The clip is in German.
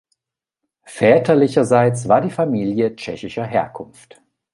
Väterlicherseits war die Familie tschechischer Herkunft.